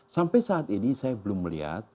sampai saat ini saya belum melihat